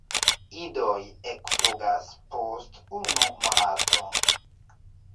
Idoj ekflugas post unu monato.